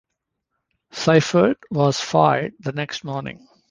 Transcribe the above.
Seifert was fired the next morning.